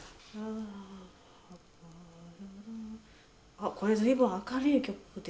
あっこれ随分明るい曲ですね。